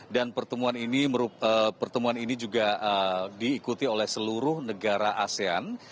dan pertemuan ini juga diikuti oleh seluruh negara asean